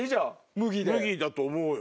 ムギだと思うよ。